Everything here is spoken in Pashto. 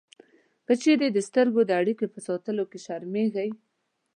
که چېرې د سترګو د اړیکې په ساتلو کې شرمېږئ